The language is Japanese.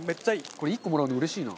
これ１個もらうのうれしいな。